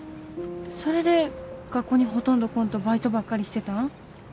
それで学校にほとんど来んとバイトばっかりしてたん？